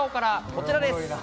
こちらです。